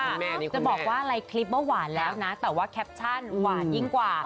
จะบอกว่าอะไรคลิปว่าหวานแล้วนะแต่ว่าแคปชั่นหวานยิ่งกว่า